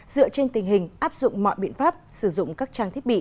dựa trên tình hình áp dụng mọi biện pháp sử dụng các trang thiết bị